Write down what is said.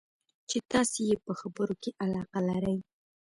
چې تاسې یې په خبرو کې علاقه لرئ.